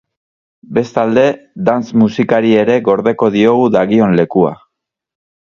Bestalde, dance musikari ere gordeko diogu dagion lekua.